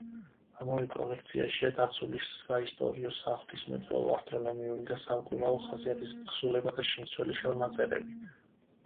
ამავე კოლექციაშია დაცული საისტორიო, საღვთისმეტყველო, ასტრონომიული და სამკურნალო ხასიათის თხზულებათა შემცველი ხელნაწერები.